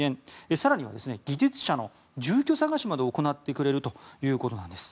更には技術者の住居探しまで行ってくれるということです。